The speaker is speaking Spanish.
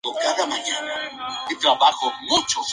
Participaron diez equipos de fútbol de distintos continentes.